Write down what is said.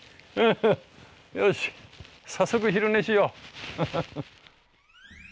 よし早速昼寝しよう。